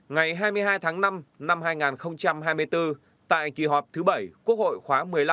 ngày hai mươi hai tháng năm năm hai nghìn hai mươi bốn tại kỳ họp thứ bảy quốc hội khóa một mươi năm